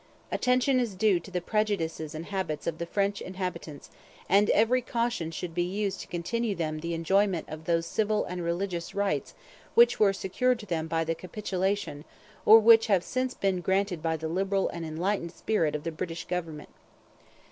... Attention is due to the prejudices and habits of the French Inhabitants and every caution should be used to continue to them the enjoyment of those civil and religious Rights which were secured to them by the Capitulation or which have since been granted by the liberal and enlightened spirit of the British Government.'